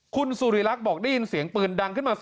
คุณสุริรักษ์บอกได้ยินเสียงปืนดังขึ้นมา